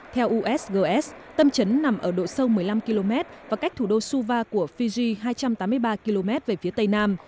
theo usgs tâm trấn nằm ở độ sâu một mươi năm km và cách thủ đô su va của fiji hai trăm tám mươi ba km về phía tây nam